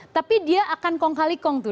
tapi dia akan kong kali kong tuh